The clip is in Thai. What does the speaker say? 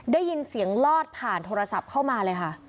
ได้ยินเสียงลอดผ่านโทรศัพท์เข้ามาเลยค่ะ